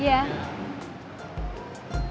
iya silahkan itu